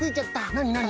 なになに？